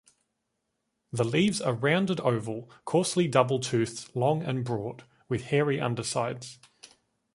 The leaves are rounded oval, coarsely double-toothed, long and broad, with hairy undersides.